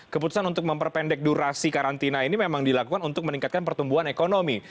keputusan untuk memperpendek durasi karantina ini memang dilakukan untuk meningkatkan pertumbuhan ekonomi